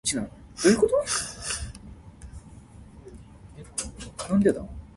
賣茶講茶芳，賣花講花紅